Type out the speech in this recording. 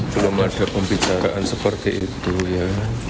belum ada pembicaraan seperti itu ya